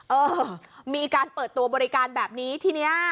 เออมีการเปิดตัวบริการแบบนี้ทีนี้